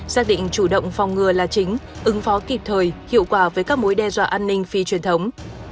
xác định chủ động phòng ngừa là chính ứng phó kịp thời hiệu quả với các mối đe dọa an ninh phi truyền thống